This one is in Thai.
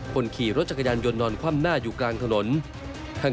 คนขี่รถจักรยานยนต์นอนคว่ำหน้าอยู่กลางถนน